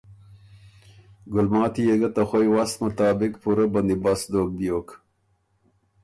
ګلماتی يې ګه ته خوئ وست مطابق پُورۀ بندی بست دوک بیوک۔